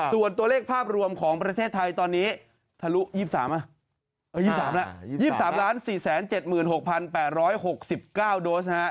ส่วนตัวเลขภาพรวมของประเทศไทยตอนนี้๒๓ล้าน๔๗๖๘๖๙โดส